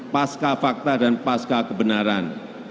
pasca fakta dan pasca kebenaran